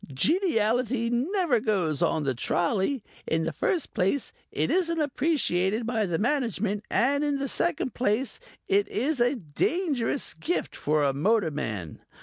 Geniality never goes on the trolley. In the first place it isn't appreciated by the Management and in the second place it is a dangerous gift for a motor man.